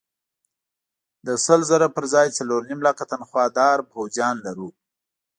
د سل زره پر ځای څلور نیم لکه تنخوادار پوځیان لرو.